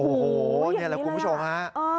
โอ้โหนี่แหละคุณผู้ชมครับอ้อ